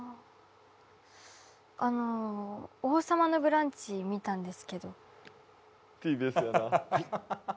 あの「王様のブランチ」見たんですけどはい？